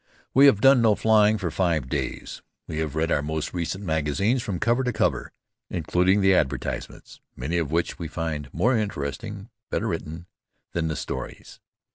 We have done no flying for five days. We have read our most recent magazines from cover to cover, including the advertisements, many of which we find more interesting, better written, than the stories.